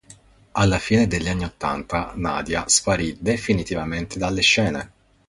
Alla fine degli anni ottanta Nadia sparì definitivamente dalle scene.